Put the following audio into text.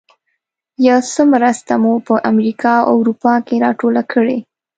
یو څه مرسته مو په امریکا او اروپا کې راټوله کړې.